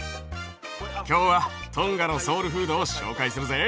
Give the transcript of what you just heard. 今日はトンガのソウルフードを紹介するぜ。